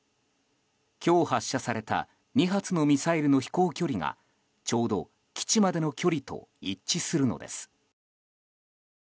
今日発射された２発のミサイルの飛行距離がちょうど基地までの距離と一致するのです。